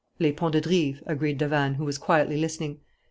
"Les Ponts de Drive," agreed Davanne, who was quietly listening.